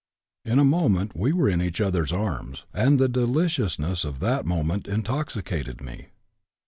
In a moment we were in each other's arms and the deliciousness of that moment intoxicated me.